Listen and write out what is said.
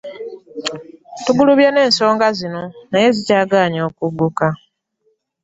Tugulubye n'ensonga zino naye zikyagaanyi okugguka.